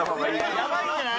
やばいんじゃない？